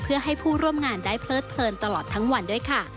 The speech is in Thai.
เพื่อให้ผู้ร่วมงานได้เพลิดเพลินตลอดทั้งวันด้วยค่ะ